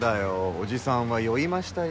おじさんは酔いましたよ。